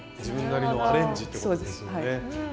自分なりのアレンジってことですよね。